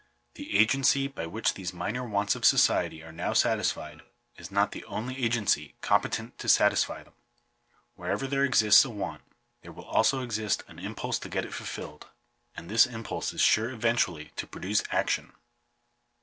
The agency by which these minor wants of society are now satisfied, is not the only agency competent to satisfy them. Wherever there exists a want, there will also exist an impulse to get it fulfilled, and this impulse is sure, eventually, to produce aotion.